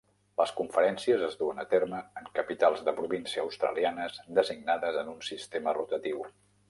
Les conferències es duen a terme en capitals de província australianes designades en un sistema rotatiu.